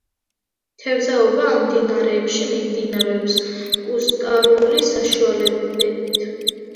თევზაობა ამ მდინარეებში მიმდინარეობს კუსტარული საშუალებებით.